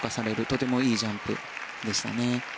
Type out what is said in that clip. とてもいいジャンプでしたね。